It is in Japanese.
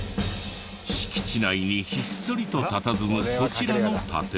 敷地内にひっそりとたたずむこちらの建物。